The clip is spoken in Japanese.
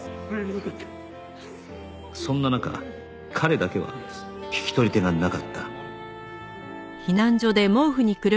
そんな中彼だけは引き取り手がなかった